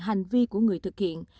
hành vi của người thực hiện